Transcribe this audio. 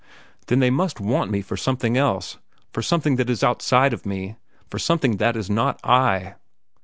Then they must want me for something else, for something that is outside of me, for something that is not I!